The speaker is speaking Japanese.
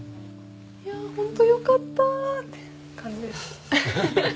いや「ホントよかった！」って感じです。